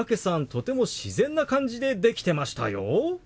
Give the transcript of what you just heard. とても自然な感じでできてましたよ。